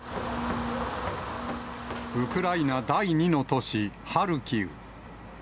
ウクライナ第２の都市、ハルキウ。